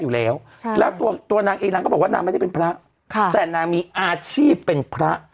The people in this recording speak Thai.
อยู่แล้วใช่แล้วตัวตัวนางเองนางก็บอกว่านางไม่ได้เป็นพระค่ะแต่นางมีอาชีพเป็นพระ